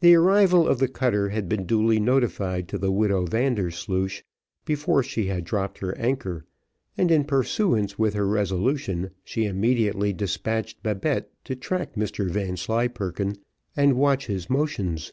The arrival of the cutter had been duly notified to the widow Vandersloosh, before she had dropped her anchor, and in pursuance with her resolution she immediately despatched Babette to track Mr Vanslyperken, and watch his motions.